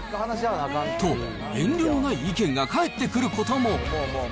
と、遠慮のない意見が返ってくることも。